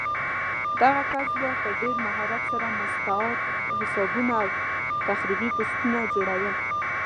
دغه کس به په ډېر مهارت سره مستعار حسابونه او تخریبي پوسټونه جوړول